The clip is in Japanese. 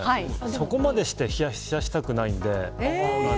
そこまでして冷やしたくない。